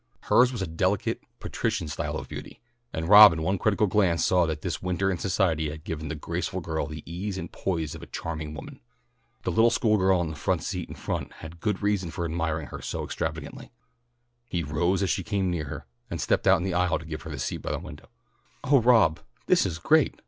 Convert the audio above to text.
Hers was a delicate, patrician style of beauty, and Rob in one critical glance saw that this winter in society had given the graceful girl the ease and poise of a charming woman. The little school girl on the seat in front had good reason for admiring her so extravagantly. He rose as she came nearer, and stepped out in the aisle to give her the seat by the window. "Oh, Rob! This is great!"